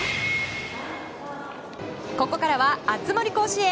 ここからは熱盛甲子園。